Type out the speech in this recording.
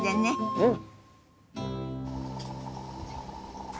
うん！